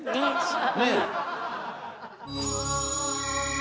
ねえ？